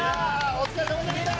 お疲れさまでした！